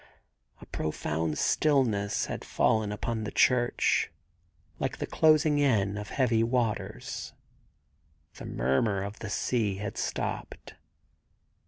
A profound stillness had fallen upon the church, like the closing in of heavy waters. The murmur of the sea had stopped.